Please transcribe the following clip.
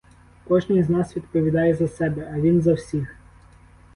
Кожний з нас відповідає за себе, а він за всіх.